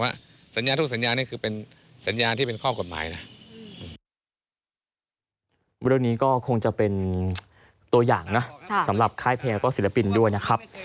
เรื่องนี้ก็คงจะเป็นตัวอย่างนะสำหรับค่ายแพรวก็ศิลปินด้วยนะครับ